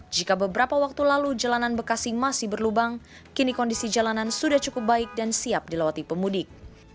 jika beberapa waktu lalu jalanan bekasi masih berlubang kini kondisi jalanan sudah cukup baik dan siap dilewati pemudik